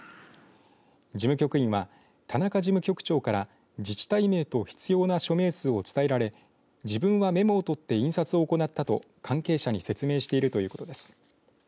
事務局員は田中事務局長から自治体名と必要な署名数を伝えられ自分はメモを取って印刷を行ったと関係者に説明しているということです。